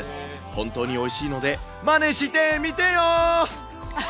本当においしいので、マネしてみてーよー。